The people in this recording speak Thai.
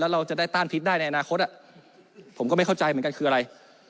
เราจะได้ต้านพิษได้ในอนาคตผมก็ไม่เข้าใจเหมือนกันคืออะไร